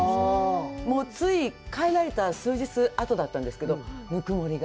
もうつい帰られた数日後だったんですけど、ぬくもりが。